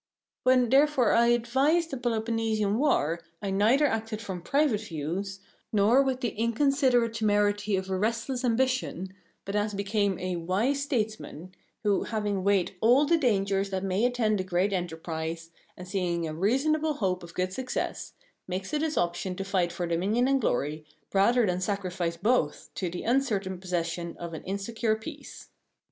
When, therefore, I advised the Peloponnesian War, I neither acted from private views, nor with the inconsiderate temerity of a restless ambition, but as became a wise statesman, who, having weighed all the dangers that may attend a great enterprise, and seeing a reasonable hope of good success, makes it his option to fight for dominion and glory, rather than sacrifice both to the uncertain possession of an insecure peace.